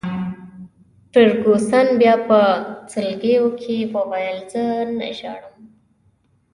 فرګوسن بیا په سلګیو کي وویل: زه نه ژاړم.